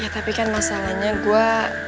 tapi kan masalahnya gue